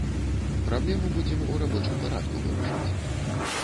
Праблему будзем у рабочым парадку вырашаць.